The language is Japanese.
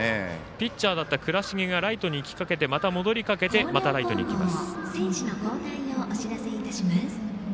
ピッチャーだった倉重がライトに行きかけてまた、戻りかけてライトに行きます。